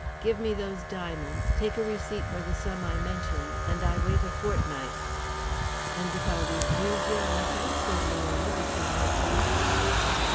Give me those diamonds, take a receipt for the sum I mentioned, and I wait a fortnight." "And if I refuse your offer?" said Leona between her teeth.